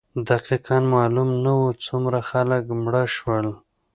دقیقا معلوم نه وو څومره خلک مړه شول.